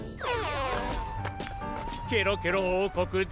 ケロケロおうこくだ。